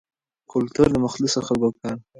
کلتور د مخلصو خلکو لاره ده.